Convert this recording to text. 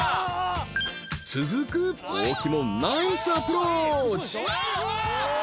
［続く大木もナイスアプローチ］